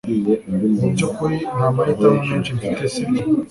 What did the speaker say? Mubyukuri nta mahitamo menshi mfite sibyo